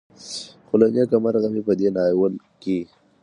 خو له نيکه مرغه مې په دې ناول کې